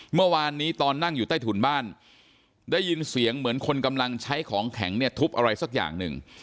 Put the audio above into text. เมื่อวานนี้ตอนนั่งอยู่ใต้ถุนบ้านได้ยินเสียงเหมือนคนกำลังใช้ของแข็งเนี่ยทุบอะไรสักอย่างหนึ่ง